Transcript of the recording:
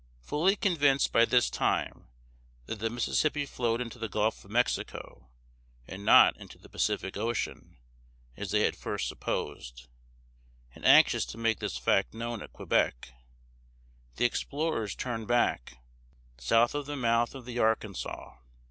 Fully convinced by this time that the Mississippi flowed into the Gulf of Mexico, and not into the Pacific Ocean, as they had first supposed, and anxious to make this fact known at Quebec, the explorers turned back, south of the mouth of the Arkansas (ar´kan saw).